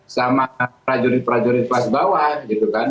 sama prajurit prajurit kelas bawah gitu kan